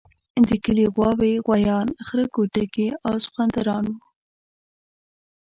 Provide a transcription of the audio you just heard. د کلي غواوې، غوایان، خره کوټکي او سخوندران وو.